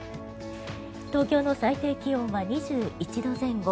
東京の最低気温は２１度前後。